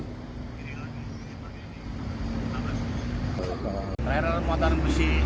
terakhir dalam muatan besi